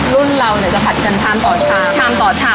รุ่นเราจะผัดกันชามต่อชาม